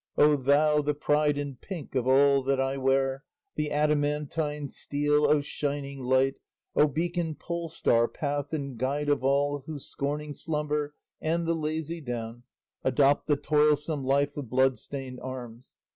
O thou, the pride and pink of all that I wear The adamantine steel! O shining light, O beacon, polestar, path and guide of all Who, scorning slumber and the lazy down, Adopt the toilsome life of bloodstained arms!